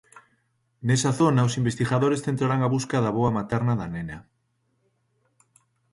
Nesa zona, os investigadores centraran a busca da avoa materna da nena.